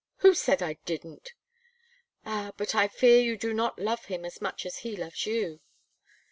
"Who said I didn't?" "Ah! but I fear you do not love him as much as he loves you."